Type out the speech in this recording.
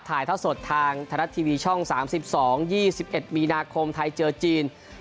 ถ่ายเท่าสดทางธนัดทีวีช่อง๓๒๒๑มีนาคมไทยเจอจีน